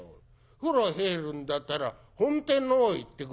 風呂入るんだったら本店のほうへ行って下せえ」。